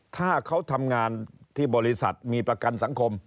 ถ้าเขาทำงานที่บริษัทมีประกันสังคม